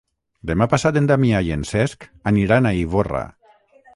Demà passat en Damià i en Cesc aniran a Ivorra.